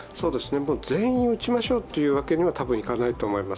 全員打ちましょうというわけには多分いかないと思います。